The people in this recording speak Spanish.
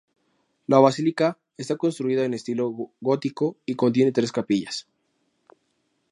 La basílica está construida en estilo gótico y contiene tres capillas.